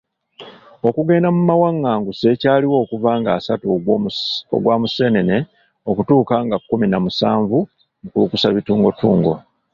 Okugenda muwanganguse kyaliwo okuva ng'asatu ogwa Museenene okutuuka nga kkumi na musanvu Mukulukusabituungotungo.